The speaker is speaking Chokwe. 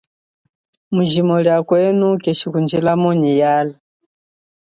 Mujimo lia kwenu keshikundjilamo nyi yala.